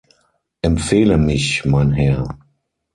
Empfehle mich, mein Herr.